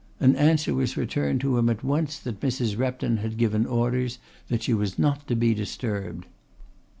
An answer was returned to him at once that Mrs. Repton had given orders that she was not to be disturbed.